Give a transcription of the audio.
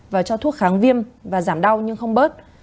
và cho thuốc kháng viêm và giảm đau nhưng không bớt